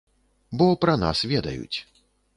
Бо пра нас ведаюць.